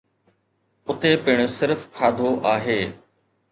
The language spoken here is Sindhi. اتي پڻ صرف کاڌو آهي.